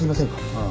ああ。